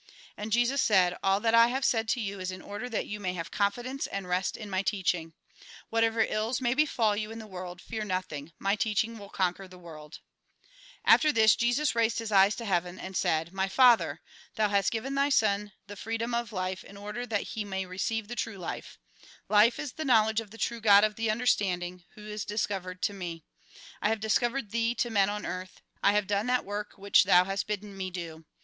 And Jesus said :" All that I have said to you is in order that you may have confidence and rest in my teaching. Whatever ills may befall you in the world, fear nothing : my teaching will conquer the world." After this, Jesus raised his eyes to heaven, and said: 144 THE GOSPEL IN BRIEF "My Father! freedom of life true life. Life is Thou hast given Thy Son the in order that he may receive the the knowledge of the true God of the understanding, Who is discovered to me. I have discovered Thee to men on earth ; I have done that work which Thou has bidden me do.